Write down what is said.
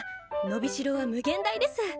伸び代は無限大です！